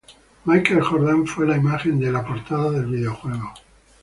Michael Jordan fue la imagen de la portada del videojuego.